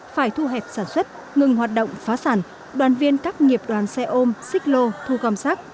phải thu hẹp sản xuất ngừng hoạt động phá sản đoàn viên các nghiệp đoàn xe ôm xích lô thu cầm sát bốc xếp công nhân vệ sinh